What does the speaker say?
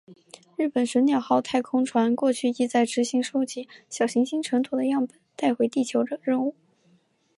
日本的隼鸟号太空船过去亦在执行收集小行星尘土的样本带回地球的任务。